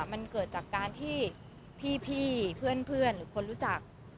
มันเกิดจากการที่พี่เพื่อนหรือคนรู้จัก